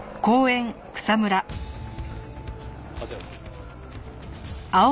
あちらです。